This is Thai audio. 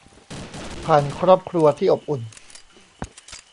ผ่านครอบครัวที่อบอุ่น